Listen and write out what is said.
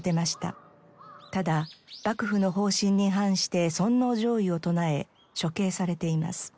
ただ幕府の方針に反して尊王攘夷を唱え処刑されています。